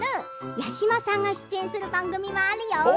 八嶋さんが出演する番組があるよ。